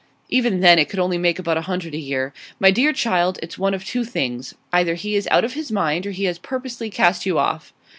'Even then it could only make about a hundred a year. My dear child, it's one of two things: either he is out of his mind, or he has purposely cast you off.